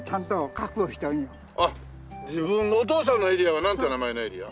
自分のお父さんのエリアはなんて名前のエリア？